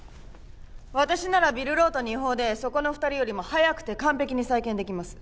私ならビルロートⅡ法でそこの２人よりも早くて完ぺきに再建出来ます。